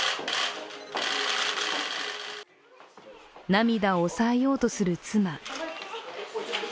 涙を抑えようとする妻。